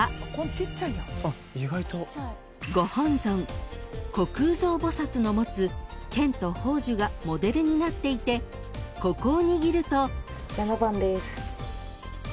［ご本尊虚空蔵菩薩の持つ剣と宝珠がモデルになっていてここを握ると］